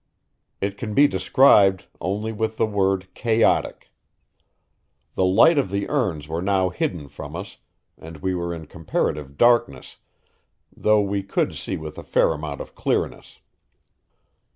It can be described only with the word chaotic. The light of the urns were now hidden from us, and we were in comparative darkness, though we could see with a fair amount of clearness.